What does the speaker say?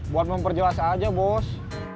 buat memperjelas aja bos